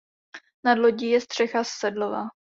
Nad lodí je střecha sedlová.